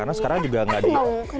karena sekarang juga nggak di